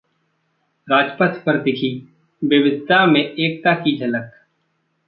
राजपथ पर दिखी 'विविधता में एकता' की झलक